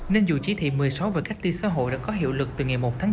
nên dù chỉ thị một mươi sáu về cách ly xã hội đã có hiệu lực từ ngày một tháng chín